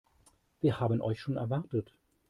Wir haben euch schon erwartet.